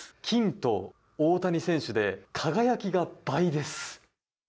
金と大谷選手で輝きが倍です！